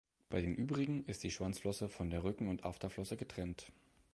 Bei den übrigen ist die Schwanzflosse von Rücken- und Afterflosse getrennt.